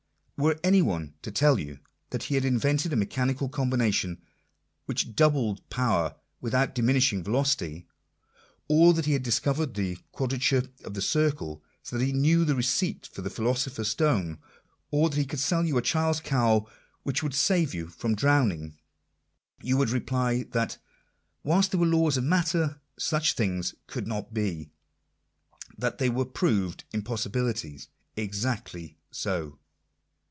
Were any one to tell you that he had invented a mechanical combination, which doubled power without di minishing velocity, or that he had discovered the quadrature of the circle, or that he knew the receipt for the philosopher's stone, or that he could sell you a child's caul which would save you from drowning, you would reply, that whilst there were laws of matter, such things could not be — that they were proved impossibilities. Exactly so.